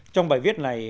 trong bài viết này